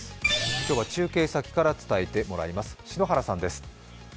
今日は中継先から伝えてもらいます。